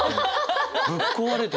ぶっ壊れてて。